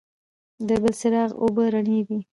د بلچراغ اوبه رڼې دي